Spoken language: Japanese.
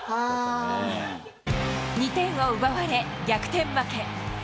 ２点を奪われ、逆転負け。